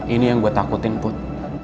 ini yang gue takutin put